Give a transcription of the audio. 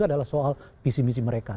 adalah soal visi misi mereka